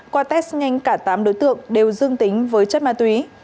qua test nhanh cả tám đối tượng đều dương tính với chất ma túy